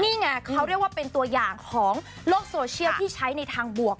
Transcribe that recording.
นี่ไงเขาเรียกว่าเป็นตัวอย่างของโลกโซเชียลที่ใช้ในทางบวก